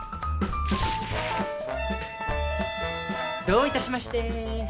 どういたしまして！